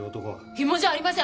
ヒモじゃありません！